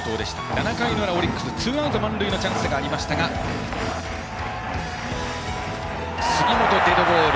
７回の裏、オリックスツーアウト満塁のチャンスがありましたが杉本、デッドボール。